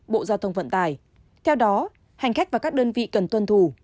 bộ giao thông vận tải theo đó hành khách và các đơn vị cần tuân thủ